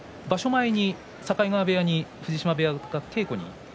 前に境川部屋に藤島部屋が稽古に行ったと。